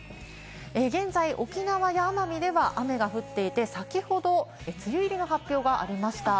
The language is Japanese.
現在、沖縄や奄美では雨が降っていて、先ほど梅雨入りの発表がありました。